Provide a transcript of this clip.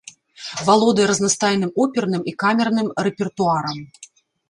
Валодае разнастайным оперным і камерным рэпертуарам.